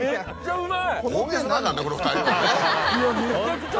うまい！